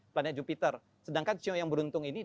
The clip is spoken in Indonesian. planet jupiter sedangkan siom yang beruntung ini